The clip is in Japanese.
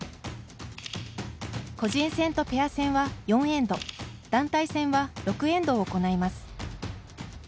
個人戦とペア戦は、４エンド団体戦は６エンド行います。